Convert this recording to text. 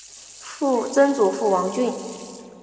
曾祖父王俊。